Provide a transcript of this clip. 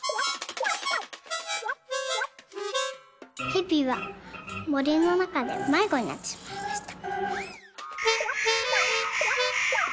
「へびはもりのなかでまいごになってしまいました」。